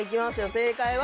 正解は。